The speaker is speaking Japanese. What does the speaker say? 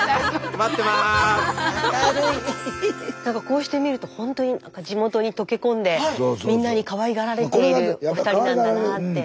こうして見るとほんとに地元に溶け込んでみんなにかわいがられているお二人なんだなあって。